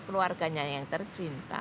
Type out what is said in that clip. keluarganya yang tercinta